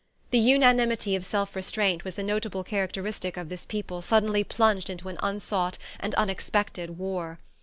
The unanimity of self restraint was the notable characteristic of this people suddenly plunged into an unsought and unexpected war.